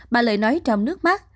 bà lợi nói trong nước mắt